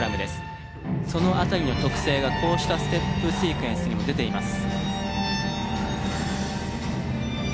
その辺りの特性がこうしたステップシークエンスにも出ています。